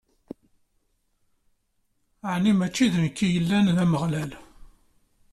Eni mačči d nekk i yellan d Ameɣlal?